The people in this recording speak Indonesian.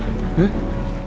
lo ada bukti